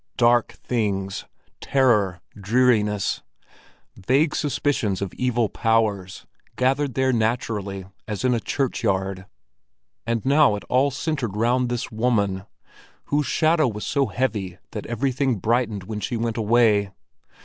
Dark things—terror, dreariness, vague suspicions of evil powers—gathered there naturally as in a churchyard. And now it all centered round this woman, whose shadow was so heavy that everything brightened when she went away.